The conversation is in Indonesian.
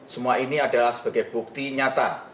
semua ini adalah sebagai bukti nyata